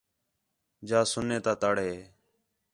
جا سُنّے تا تڑ ہِے